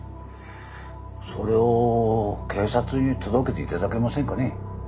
それを警察に届けていただけませんかね。